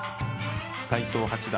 斎藤八段